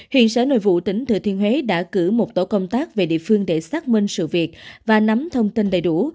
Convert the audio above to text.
hiện sở nội vụ tỉnh thừa thiên huế đã cử một tổ công tác về địa phương để xác minh sự việc và nắm thông tin đầy đủ